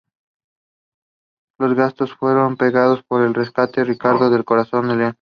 Los gastos fueron pagados por el rescate de Ricardo Corazón de León.